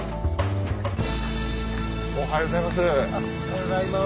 おはようございます。